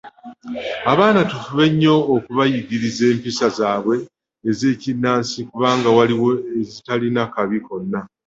Abaana tufube nnyo okubayigiriza empisa zaabwe ez’ekinnansi kubanga waliwo ezitalina kabi konna.